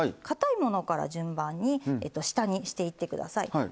かたいものから順番に下にしていってください。